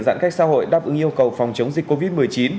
giãn cách xã hội đáp ứng yêu cầu phòng chống dịch covid một mươi chín